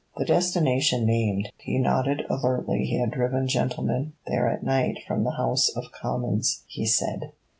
The destination named, he nodded alertly he had driven gentlemen there at night from the House of Commons, he said.